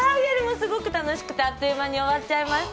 すごく楽しくて、あっという間に時間がすぎちゃいました